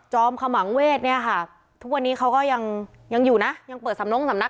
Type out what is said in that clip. จอมครหมางเวชเนี่ยทุกวันนี้เข้ายังเปิดสำนัก